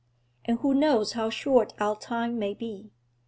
And who knows how short our time may be?